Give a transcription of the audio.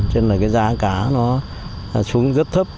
cho nên là cái giá cá nó xuống rất thấp